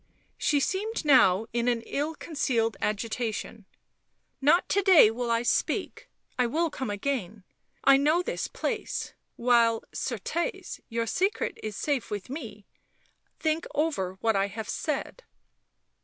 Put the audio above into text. She seemed, now, in an ill concealed agitation. "Not to day will I speak. I will come again. I know this place ... meanwhile, certes, your secret is safe with me — think over what I have said."